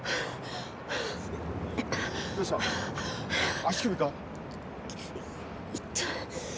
どうした？